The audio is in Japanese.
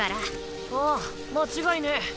ああ間違いねぇ。